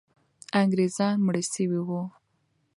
انګریزان مړه سوي وو.